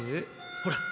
ほら。